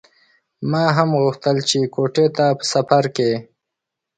ما هم غوښتل چې کوټې ته په سفر کې.